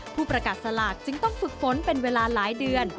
ผู้ประกาศสลากจึงต้องฝึกฝนเป็นเวลาหลายเดือน